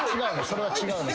それは違うの。